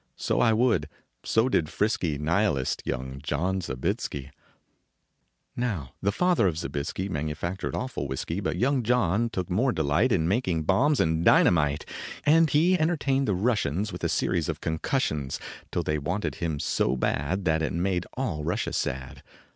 So I would, so did the frisky Nihilist, young John Zobiesky SOFIE JAKOBO WSKI 107 Now the father of Zobiesky Manufactured awful whisky, But young John took more delight In making bombs and dynamite, And he entertained the Russians With a series of concussions Till they wanted him so bad That it made all Russia sad.